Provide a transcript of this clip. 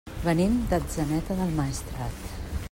Venim d'Atzeneta del Maestrat.